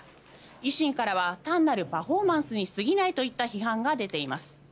維新からは単なるパフォーマンスに過ぎないといった批判が出ています。